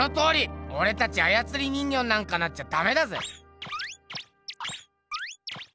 おれたちあやつり人形になんかなっちゃダメだぜ！